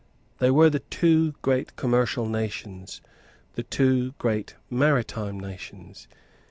They were the two great commercial nations, the two great maritime nations.